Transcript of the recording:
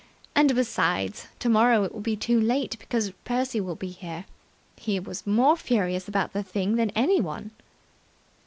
And, besides, tomorrow it will be too late, because Percy will be here. He was more furious about the thing than anyone."